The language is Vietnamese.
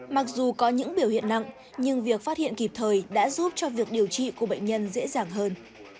mặc dù có những biểu hiện nặng nhưng việc phát hiện kịp thời đã giúp cho việc điều trị của bệnh nhân dễ dàng hơn